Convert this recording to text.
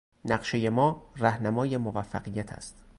نقشهی ما رهنمای موفقیت است.